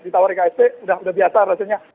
ditawari ksp sudah biasa rasanya